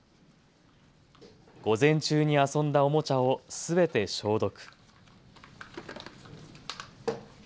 午前中に遊んだおもちゃをすべて消毒。